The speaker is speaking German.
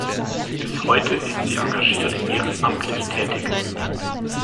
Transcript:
Bis heute ist sie engagiert ehrenamtlich tätig.